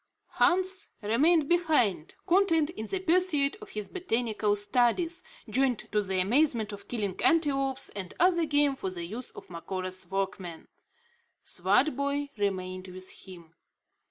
Hans remained behind, content in the pursuit of his botanical studies, joined to the amusement of killing antelopes, and other game for the use of Macora's workmen. Swartboy remained with him.